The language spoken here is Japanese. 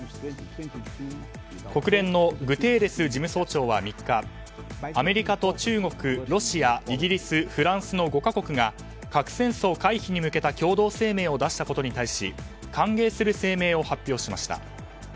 国連のグテーレス事務総長は３日アメリカと中国、ロシアイギリス、フランスの５か国が核戦争回避に向けた共同声明を出したことに対し歓迎する声明を発表しました。